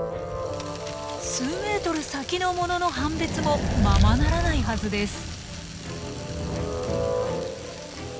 数メートル先の物の判別もままならないはずです。